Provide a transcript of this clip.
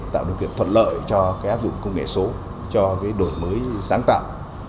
tạo điều kiện thuận lợi cho cái áp dụng công nghệ số cho đổi mới sáng tạo